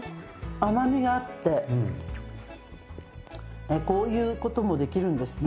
甘みがあってこういうこともできるんですね。